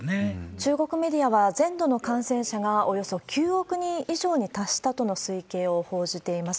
中国メディアは、全土の感染者がおよそ９億人以上に達したとの推計を報じています。